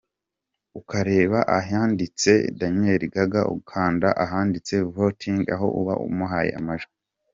com ukareba ahanditse Daniel Gaga ugakanda ahanditse Voting aho uba umuhaye amajwi.